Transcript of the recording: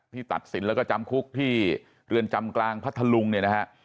ตัดสินแล้วก็จำคุกที่เรือนจำกลางพัทธลุงเนี่ยนะฮะ